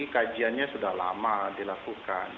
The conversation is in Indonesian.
kajiannya sudah lama dilakukan